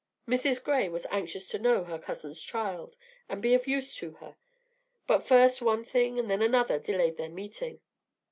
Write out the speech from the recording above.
Mrs. Gray was anxious to know her cousin's child and be of use to her; but first one thing and then another delayed their meeting.